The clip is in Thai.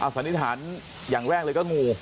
สันนิษฐานอย่างแรกเลยก็งู